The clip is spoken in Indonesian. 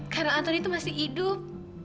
karena antonia tuh masih hidup